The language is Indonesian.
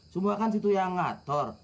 semua kan situ yang ngatur